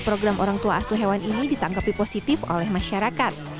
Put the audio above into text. program orang tua asuh hewan ini ditanggapi positif oleh masyarakat